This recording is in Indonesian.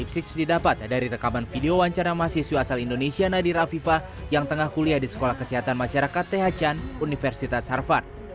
sekolah kesehatan masyarakat th chan universitas harvard